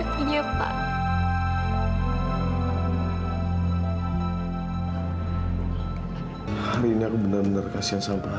tidak ada artinya pak